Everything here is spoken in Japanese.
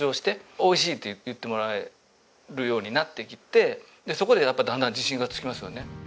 美味しいと言ってもらえるようになってきてそこでやっぱ段々自信がつきますよね。